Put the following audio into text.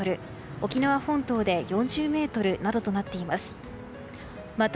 沖縄本島で４０メートルなどとなっています。